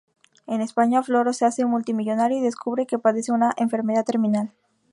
En España Floro se hace multi millonario, y descubre que padece una enfermedad terminal.